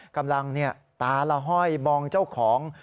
กำลังตาละห้อยมองเจ้าของ